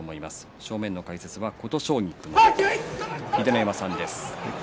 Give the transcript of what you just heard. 正面の解説は琴奨菊の秀ノ山さんです。